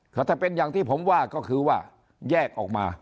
ก็ถ้าเป็นอย่างที่ผมว่าก็คือว่าแยกออกมา